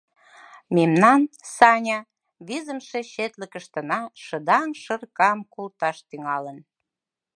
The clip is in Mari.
— Мемнан, Саня, визымше четлыкыштына шыдаҥ шыркам колташ тӱҥалын!